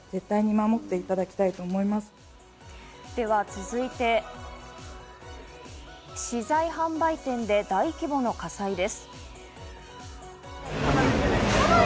続いて、資材販売店で大規模な火災です。